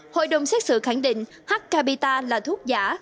hội đồng xét xử khẳng định h capita là thuốc giả